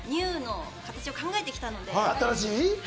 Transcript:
ＮＥＷの形を考えてきたんで。